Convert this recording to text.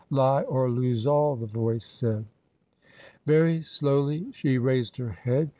Lie, or lose all, the voice said. Very slowly she raised her head.